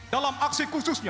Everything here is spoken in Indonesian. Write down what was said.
dalam aksi khususnya